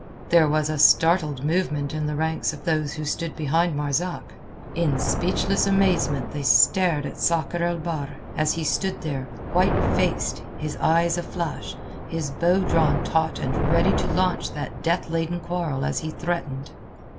There was a startled movement in the ranks of those who stood behind Marzak. In speechless amazement they stared at Sakr el Bahr, as he stood there, white faced, his eyes aflash, his bow drawn taut and ready to launch that death laden quarrel as he threatened.